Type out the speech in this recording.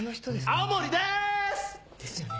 青森です！ですよね。